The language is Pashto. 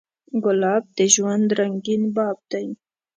ګلاب د ژوند رنګین باب دی.